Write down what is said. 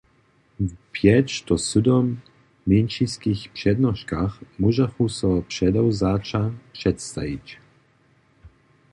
W pjeć do sydom mjeńšinskich přednoškach móžachu so předewzaća předstajić.